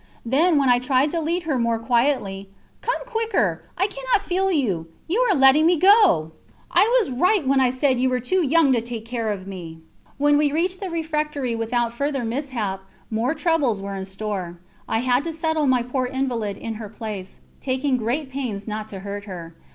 Then when I tried to lead her more quietly: "Come quicker ... I cannot feel you ... you are letting me go! I was right when I said you were too young to take care of me." When we reached the refectory without further mishap, more troubles were in store. I had to settle my poor invalid in her place, taking great pains not to hurt her.